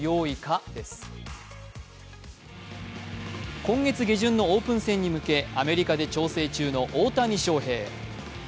今月下旬のオープン戦に向け、アメリカで調整中の大谷翔平選手。